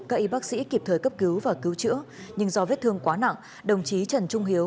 các y bác sĩ kịp thời cấp cứu và cứu chữa nhưng do vết thương quá nặng đồng chí trần trung hiếu